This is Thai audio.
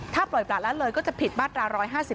ถ้าปล่อยประหลัดแล้วเลยก็จะผิดบรรตรา๑๕๗